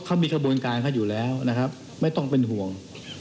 เขามีกระบวนการเขาอยู่แล้วนะครับไม่ต้องเป็นห่วง